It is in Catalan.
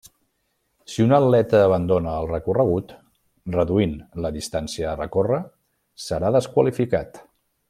Si un atleta abandona el recorregut, reduint la distància a recórrer, serà desqualificat.